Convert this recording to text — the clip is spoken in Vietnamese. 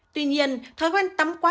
tuy nhiên thói quen tắm quá